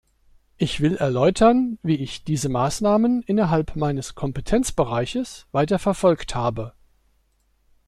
Ich will erläutern, wie ich diese Maßnahmen innerhalb meines Kompetenzbereiches weiterverfolgt habe.